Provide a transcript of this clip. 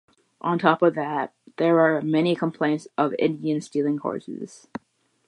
On top of that, there were many complaints of Indians stealing horses.